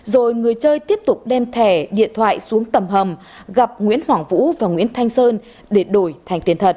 rồi người chơi tiếp tục đem thẻ điện thoại xuống tầm hầm gặp nguyễn hoàng vũ và nguyễn thanh sơn để đổi thành tiền thật